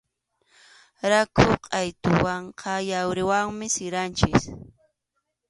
Rakhu qʼaytuwanqa yawriwanmi siranchik.